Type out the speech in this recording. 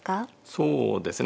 そうですね